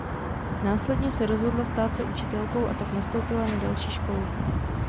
Následně se rozhodla stát se učitelkou a tak nastoupila na další školu.